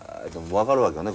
分かるわけよね